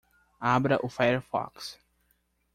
Abra o firefox.